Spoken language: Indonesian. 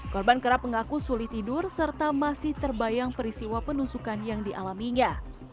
korban kerap mengaku sulit tidur serta masih terbayang perisiwa penusukan yang dialaminya